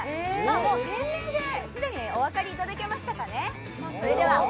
店名で既にお分かりいただけましたかね。